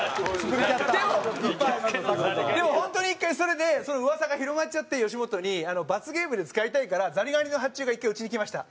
でも本当に１回それでその噂が広まっちゃって吉本に罰ゲームで使いたいからザリガニの発注が１回うちにきました。